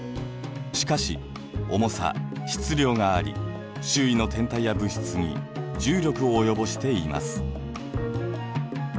しかし重さ・質量があり周囲の天体や物質に重力を及ぼしています。